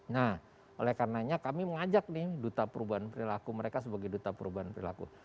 nah oleh karenanya kami mengajak nih duta perubahan perilaku mereka sebagai duta perubahan perilaku